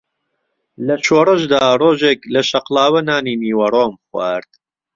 لە شۆڕشدا ڕۆژێک لە شەقڵاوە نانی نیوەڕۆم خوارد